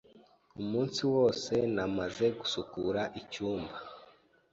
Umunsi wose namaze gusukura icyumba.